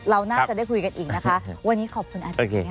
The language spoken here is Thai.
เราน่าจะได้คุยกันอีกนะคะวันนี้ขอบคุณอาจารย์ค่ะ